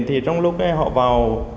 thì trong lúc họ vào